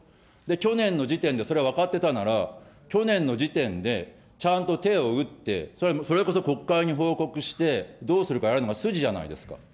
去年の時点でそれは分かってたんなら、去年の時点で、ちゃんと手を打って、それこそ国会に報告して、どうするかやるのが筋じゃないですか。